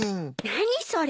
何それ。